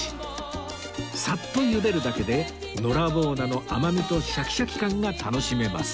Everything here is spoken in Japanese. サッとゆでるだけでのらぼう菜の甘みとシャキシャキ感が楽しめます